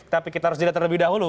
tapi kita harus jeda terlebih dahulu